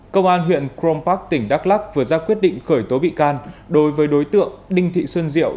công an huyện crompac tỉnh đắk lắk vừa ra quyết định khởi tố bị can đối với đối tượng đinh thị xuân diệu